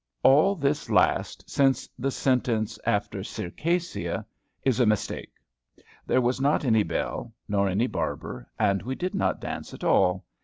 All this last, since the sentence after "Circassia," is a mistake. There was not any bell, nor any barber, and we did not dance at all.